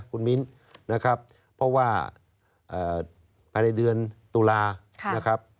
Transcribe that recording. คุณมิ้นนะครับเพราะว่าภายในเดือนตุลานะครับ